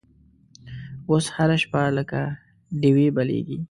اوس هره شپه لکه ډیوې بلیږې